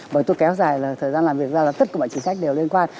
bởi tôi kéo dài là thời gian làm việc ra là tất cả mọi chính sách đều liên quan